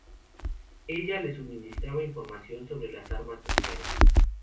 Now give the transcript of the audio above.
Ella le suministraba información sobre armas nucleares.